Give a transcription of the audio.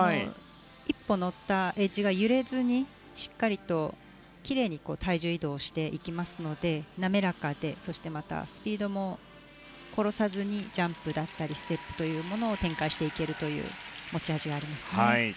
１歩乗ったエッジが揺れずにきれいに体重移動していきますので滑らかで、スピードも殺さずにジャンプだったりステップを展開していけるという持ち味がありますね。